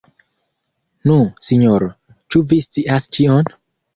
Nu, sinjoro, ĉu vi scias ĉion?